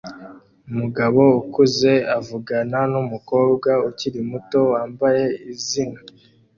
Umugabo ukuze avugana numukobwa ukiri muto wambaye izina